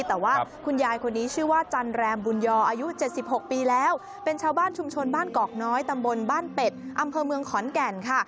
แต่ว่าคุณยายคนนี้ชื่อว่าจันแรมบุญยออายุ๗๖ปีแล้วเป็นชาวบ้านชุมชนบ้านกอกน้อยตำบลบ้านเป็ดอำเภอเมืองขอนแก่นค่ะ